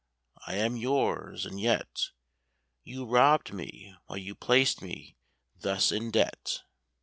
I am yours: and yet You robbed me while you placed me thus in debt.